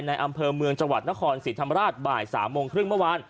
อำเภอเมืองจังหวัดนครศรีธรรมราชบ่าย๓โมงครึ่งเมื่อวาน